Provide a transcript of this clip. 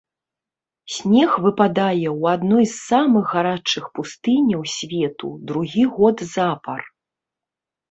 Снег выпадае ў адной з самых гарачых пустыняў свету другі год запар.